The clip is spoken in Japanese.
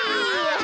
あ！